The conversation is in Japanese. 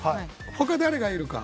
他に誰がいるか。